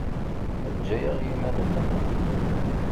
Eg aya i yiman-nnem.